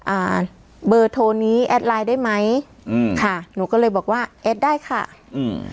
อ่าเบอร์โทรนี้ได้ไหมอืมค่ะหนูก็เลยบอกว่าได้ค่ะอืม